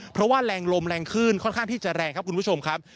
เพราะว่าแรงลมแรงขึ้นค่อนข้างที่จะแรงครับคุณผู้ชมครับ